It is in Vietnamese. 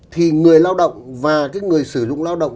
thì người lao động và cái người sử dụng lao động